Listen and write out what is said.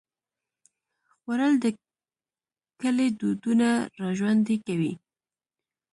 خوړل د کلي دودونه راژوندي کوي